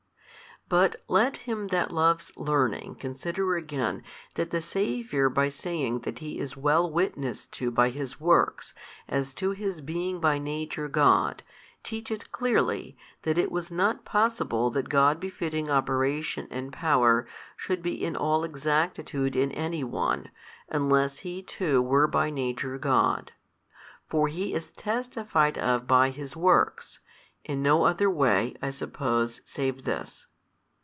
But let him that loves learning consider again that the Saviour by saying that He is well witnessed to by His works as to His being by Nature God, teaches clearly, that it was not possible that God befitting Operation and Power should be in all exactitude in any one, unless he too were by Nature God. For He is testified of by His works, in no other way (I suppose) save this.